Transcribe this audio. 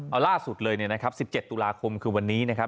เอาล่าสุดเลยนะครับ๑๗ตุลาคมคือวันนี้นะครับ